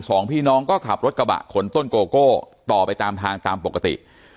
สองพี่น้องก็ขับรถกระบะขนต้นโกโก้ต่อไปตามทางตามปกติ